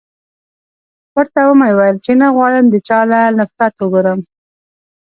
ورته و مې ويل چې نه غواړم د چا له نفرت وګورم.